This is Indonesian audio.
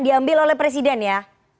diambil oleh presiden ya